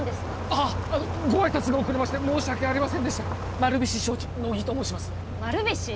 あっご挨拶が遅れまして申し訳ありませんでした丸菱商事乃木と申します丸菱！？